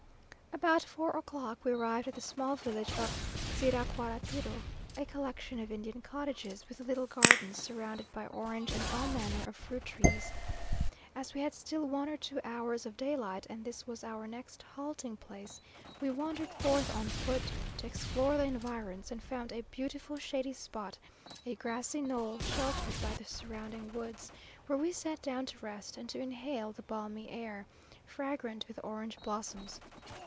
About four o'clock we arrived at the small village of Tziracuaratiro, a collection of Indian cottages, with little gardens, surrounded by orange and all manner of fruit trees. As we had still one or two hours of daylight, and this was our next halting place, we wandered forth on foot to explore the environs, and found a beautiful shady spot, a grassy knoll, sheltered by the surrounding woods, where we sat down to rest and to inhale the balmy air, fragrant with orange blossoms.